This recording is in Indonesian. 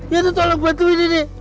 ya tolong bantu ini deh